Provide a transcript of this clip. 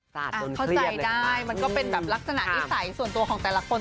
เข้าใจได้มันก็เป็นแบบลักษณะนิสัยส่วนตัวของแต่ละคน